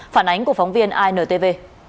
phản ánh của phóng viên intv